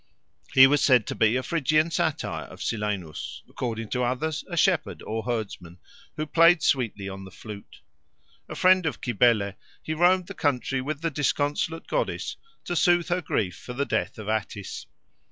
He was said to be a Phrygian satyr or Silenus, according to others a shepherd or herdsman, who played sweetly on the flute. A friend of Cybele, he roamed the country with the disconsolate goddess to soothe her grief for the death of Attis.